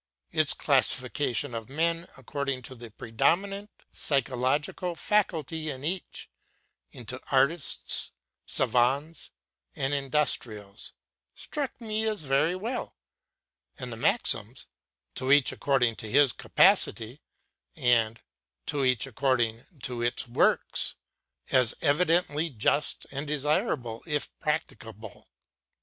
Its classification of men according to the predominant psychological faculty in each, into artists, savans, and industrials, struck me as very well; and the maxims "To each according to his capacity," and "To each capacity according to its works," as evidently just, and desirable if practicable.